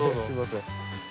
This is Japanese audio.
すみません。